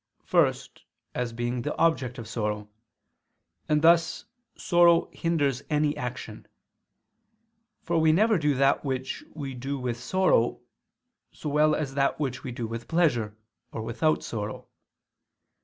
First, as being the object of sorrow: and thus sorrow hinders any action: for we never do that which we do with sorrow, so well as that which we do with pleasure, or without sorrow.